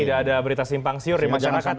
tidak ada berita simpang siur di masyarakat